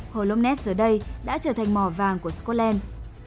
hồ loch ness giờ đây đã trở thành mò vàng của scotland